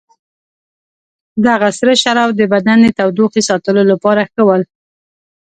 دغه سره شراب د بدن د تودوخې ساتلو لپاره ښه ول.